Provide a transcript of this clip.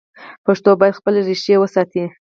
پښتو باید خپلې ریښې وساتي.